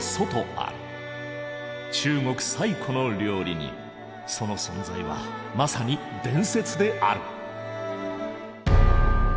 中国最古の料理人その存在はまさに伝説である。